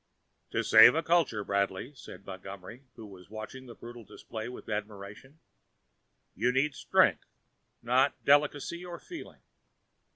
"To save a culture, Bradley," said Montgomery, who had watched the brutal display with admiration, "you need strength, not delicacy or feeling.